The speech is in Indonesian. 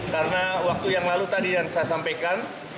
karena waktu yang lalu tadi yang saya sampaikan